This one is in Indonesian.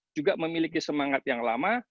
juga memiliki semangat yang lama